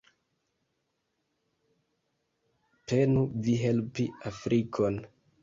Penu vi helpi Afrikon.